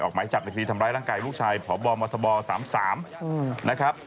ออกไหมจับในทฤทธิ์ทำร้ายร่างกายลูกชายพบมบ๓๓นะครับ